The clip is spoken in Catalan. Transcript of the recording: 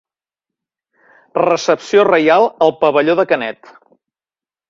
Recepció reial al pavelló de Canet.